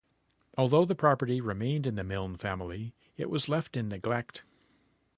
Although the property remained in the Milne family, it was left in neglect.